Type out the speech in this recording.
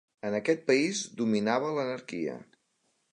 En aquell país dominava l'anarquia.